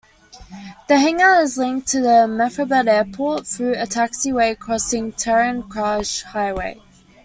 The hangar is linked to Mehrabad Airport through a taxiway crossing "Tehran-Karaj" Highway.